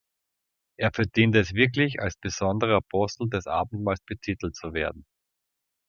Er verdient es wirklich, als besonderer Apostel des Abendmahls betitelt zu werden.